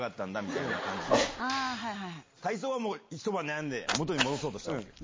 泰造はひと晩悩んで元に戻そうとしたわけよ。